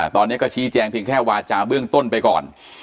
ตอนนี้ก็ชี้แจงเพียงแค่วาจาเบื้องต้นไปก่อน